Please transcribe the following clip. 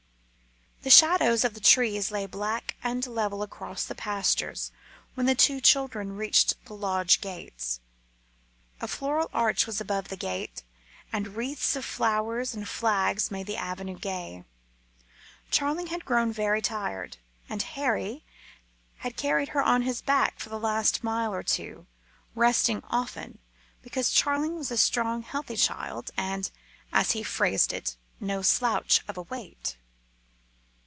The shadows of the trees lay black and level across the pastures when the two children reached the lodge gates. A floral arch was above the gate, and wreaths of flowers and flags made the avenue gay. Charling had grown very tired, and Harry had carried her on his back for the last mile or two resting often, because Charling was a strong, healthy child, and, as he phrased it, "no slouch of a weight."